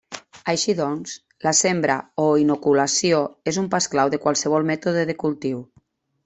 Així doncs, la sembra o inoculació és un pas clau de qualsevol mètode de cultiu.